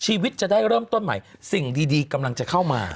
ชีวิตจะได้เริ่มต้นใหม่สิ่งดีกำลังจะเข้ามา